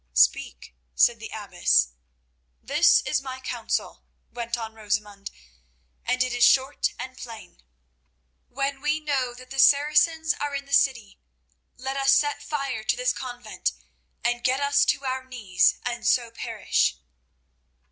"Speak," said the abbess. "This is my counsel," went on Rosamund, "and it is short and plain. When we know that the Saracens are in the city, let us set fire to this convent and get us to our knees and so perish."